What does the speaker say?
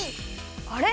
あれ？